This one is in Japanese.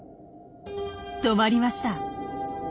止まりました。